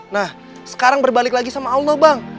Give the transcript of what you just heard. nah sekarang berbalik lagi sama allah bang